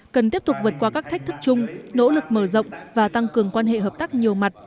cần tiếp tục vượt qua các thách thức chung nỗ lực mở rộng và tăng cường quan hệ hợp tác nhiều mặt